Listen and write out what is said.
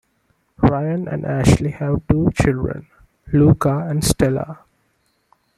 Ryan and Ashley have two children, Luca and Stella.